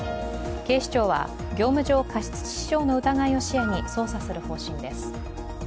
警視庁は、業務上過失致死傷の疑いを視野に捜査する方針です。